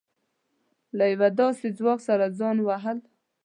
له يوه داسې ځواک سره ځان وهل.